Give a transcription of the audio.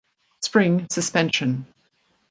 Spring suspension.